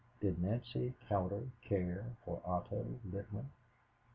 Did Nancy Cowder care for Otto Littman?